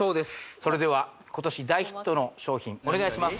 それでは今年大ヒットの商品お願いします